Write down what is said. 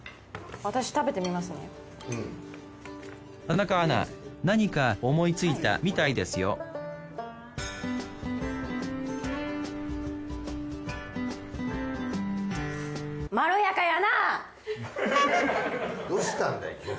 田中アナ何か思いついたみたいですよどうしたんだいきなり。